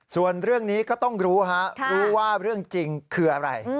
ส่วนเรื่องนี้ก็ต้องรู้ฮะรู้ว่าเรื่องจริงคืออะไร